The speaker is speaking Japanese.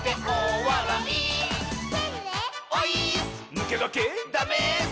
「ぬけがけ」「ダメス！」